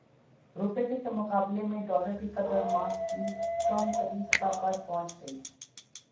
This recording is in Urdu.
روپے کے مقابلے میں ڈالر کی قدر ماہ کی کم ترین سطح پر پہنچ گئی